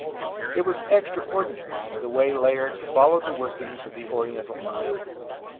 It was extraordinary the way Layard followed the workings of the Oriental mind.